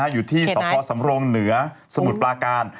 อยู่ที่สพสำรงเหนือสมุทรปลาการ